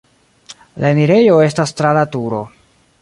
La enirejo estas tra la turo.